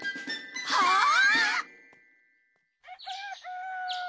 はあ！？